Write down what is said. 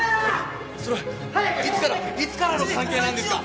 それはいつからいつからの関係なんですか？